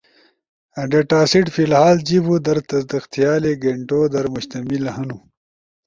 ڈیٹاسیٹ فی الحال جیبو در تصدیق تھیالے گینٹو در مشتمل ہنو،